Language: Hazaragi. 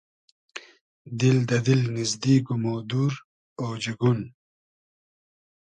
دیل دۂ دیل نیزدیگ و مۉ دور اۉجئگون